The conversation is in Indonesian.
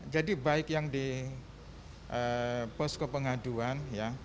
jadi baik yang di posko pengaduan